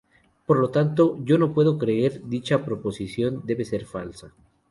Por lo tanto yo no puedo creer dicha proposición, debe ser falsa.